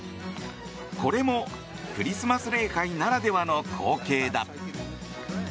これもクリスマス礼拝ならではの光景だ。